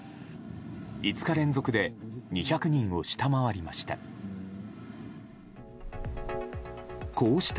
５日連続で２００人を下回りました。